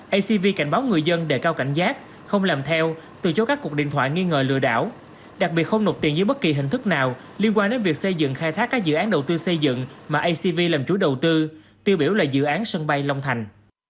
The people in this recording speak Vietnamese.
acv cảnh báo người dân đề cao cảnh giác không làm theo từ chối các cuộc điện thoại nghi ngờ lừa đảo đặc biệt không nộp tiền dưới bất kỳ hình thức nào liên quan đến việc xây dựng khai thác các dự án đầu tư xây dựng mà acv làm chủ đầu tư tiêu biểu là dự án sân bay long thành